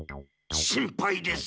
心配です。